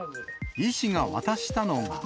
医師が渡したのが。